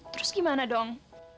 terus gimana dong